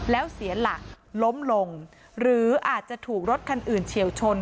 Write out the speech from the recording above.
แล้วเสียหลักล้มลงหรืออาจจะถูกรถคันอื่นเฉียวชน